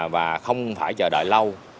và không phải chờ đợi lâu